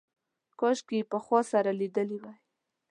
کاشکې یې پخوا سره لیدلي وای.